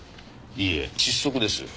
いいえ窒息です。